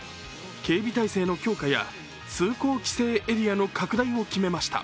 警備体制の強化や通行規制エリアの拡大を決めました。